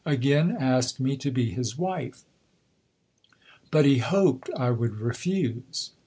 again asked me to be his wife. But he hoped I would refuse!"